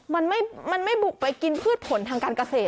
มันไม่มันไม่บุกไปกินพืชผลทางการเกษตรแล้วอ่ะ